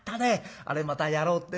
あれまたやろうってんでしょ？